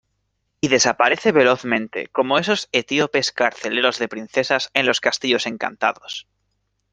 y desaparece velozmente, como esos etíopes carceleros de princesas en los castillos encantados.